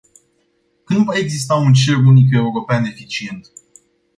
Când va exista un cer unic european eficient?